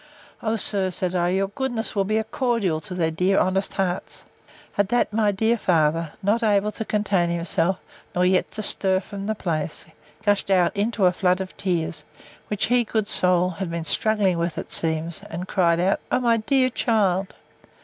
O sir, said I, your goodness will be a cordial to their dear honest hearts! At that, my dear father, not able to contain himself, nor yet to stir from the place, gushed out into a flood of tears, which he, good soul! had been struggling with, it seems; and cried out, O my dear child!